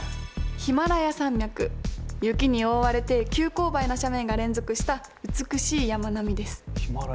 雪に覆われて急勾配な斜面が連続した美しい山並みです。